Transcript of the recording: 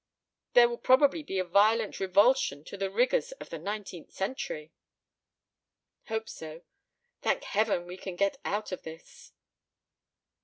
There will probably be a violent revulsion to the rigors of the nineteenth century." "Hope so. Thank Heaven we can get out of this."